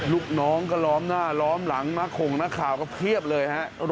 ลูกน้องก็ล้อมหน้าล้อมหลังนักข่งนักข่าวก็เพียบเลยฮะ